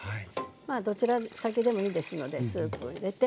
まあどちら先でもいいですのでスープを入れて。